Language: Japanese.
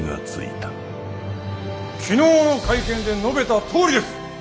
昨日の会見で述べたとおりです。